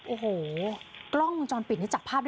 โอโหกล้องจรปิดที่จับภาพได้หมดเลย